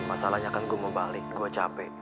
masalahnya kan gue mau balik gue capek